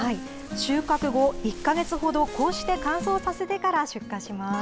収穫後、１か月ほどこうして乾燥させてから出荷します。